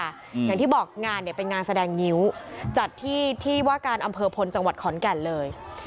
อย่างที่บอกงานเนี่ยเป็นงานแสดงงิ้วจัดที่ที่ว่าการอำเภอพลจังหวัดขอนแก่นเลย